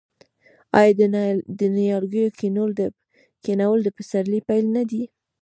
آیا د نیالګیو کینول د پسرلي پیل نه دی؟